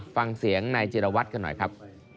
ฟังเสียงในจิลวัฒน์กันหน่อยครับ